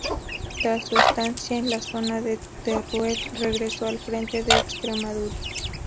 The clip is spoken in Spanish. Tras su estancia en la zona de Teruel regresó al frente de Extremadura.